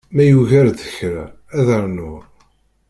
Ma yugar-d kra, ad rnuɣ.